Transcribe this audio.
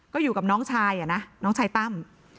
ก็อยู่กับน้องชายอะนะน้องชายตั้ม